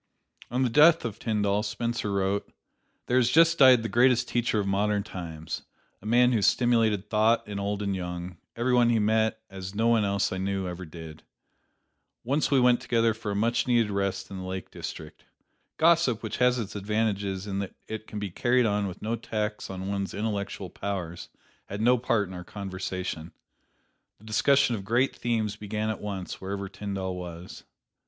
On the death of Tyndall, Spencer wrote: "There has just died the greatest teacher of modern times: a man who stimulated thought in old and young, every one he met, as no one else I ever knew did. Once we went together for a much needed rest to the Lake District. Gossip, which has its advantages in that it can be carried on with no tax on one's intellectual powers, had no part in our conversation. The discussion of great themes began at once wherever Tyndall was.